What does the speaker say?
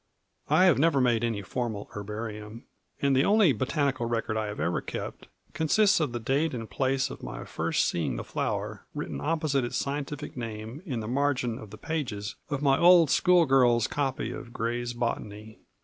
I have never made any formal herbarium, and the only botanical record I have ever kept consists of the date and place of my first seeing the flower written opposite its scientific name in the margin of the pages of my old school girl's copy of Gray's Botany.